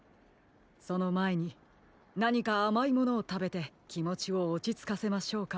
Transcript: そのまえになにかあまいものをたべてきもちをおちつかせましょうか。